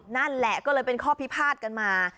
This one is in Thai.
นั่นแหละก็เลยเป็นข้อพิพาทกันมา